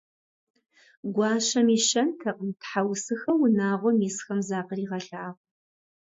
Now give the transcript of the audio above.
Гуащэм и щэнтэкъым тхьэусыхэу унагъуэм исхэм закъригъэлъагъуу.